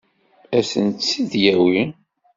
Ad sen-tt-id-yawi?